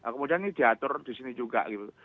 kemudian ini diatur di sini juga gitu